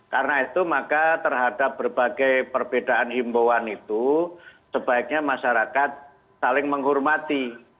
karena itu maka terhadap berbagai perbedaan himbauan itu sebaiknya masyarakat saling menghormati